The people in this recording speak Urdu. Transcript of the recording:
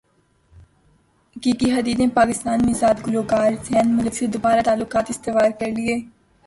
جی جی حدید نے پاکستانی نژاد گلوکار زین ملک سے دوبارہ تعلقات استوار کرلیے